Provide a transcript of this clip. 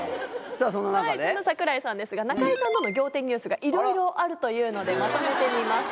そんな櫻井さんですが中居さんとの仰天ニュースがいろいろあるのでまとめました。